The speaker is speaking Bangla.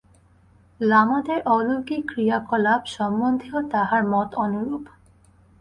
লামাদের অলৌকিক ক্রিয়াকলাপ সম্বন্ধেও তাঁহার মত অনুরূপ।